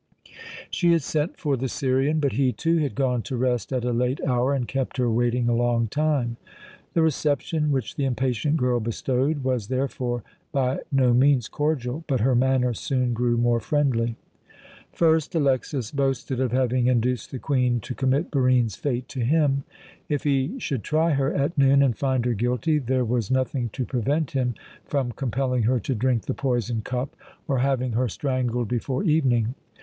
She had sent for the Syrian, but he, too, had gone to rest at a late hour and kept her waiting a long time. The reception which the impatient girl bestowed was therefore by no means cordial, but her manner soon grew more friendly. First Alexas boasted of having induced the Queen to commit Barine's fate to him. If he should try her at noon and find her guilty, there was nothing to prevent him from compelling her to drink the poisoned cup or having her strangled before evening.